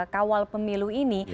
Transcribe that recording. kawal pemilu ini